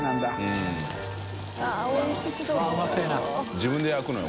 自分で焼くのよ